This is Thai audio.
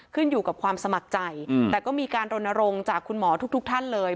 ขึ้นอยู่กับความสมัครใจแต่ก็มีการรณรงค์จากคุณหมอทุกท่านเลย